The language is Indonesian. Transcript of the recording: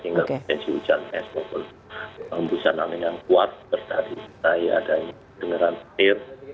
sehingga potensi hujan es bobel embusan angin yang kuat berdari saya ada dengeran petir